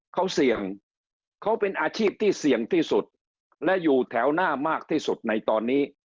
เขาเสี่ยงเขาเป็นอาชีพที่เสี่ยงที่สุดและอยู่แถวหน้ามากที่สุดในตอนนี้